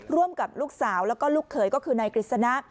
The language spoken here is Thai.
ร่วมกับลูกสาวแล้วก็ลูกเขยก็คือนายกฤษณะ